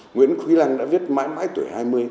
nguyễn quý lăng đã viết mãi mãi tuổi hai mươi